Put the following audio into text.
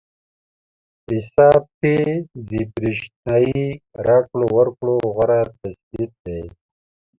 حساب پې د برېښنايي راکړو ورکړو غوره تشبث دی.